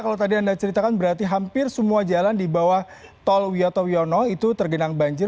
kalau tadi anda ceritakan berarti hampir semua jalan di bawah tol wiyoto wiono itu tergenang banjir